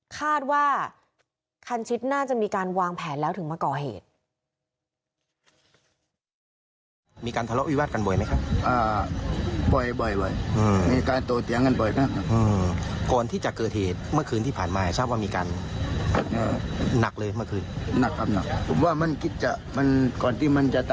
คาดว่าคันชิดน่าจะมีการวางแผนแล้วถึงมาก่อเหตุ